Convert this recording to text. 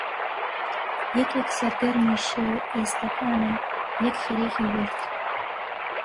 یەکێک سەرگەرمی شێوە ئێستەکانە، یەک خەریکی وەرد